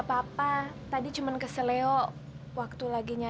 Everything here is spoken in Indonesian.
sampai jumpa di video selanjutnya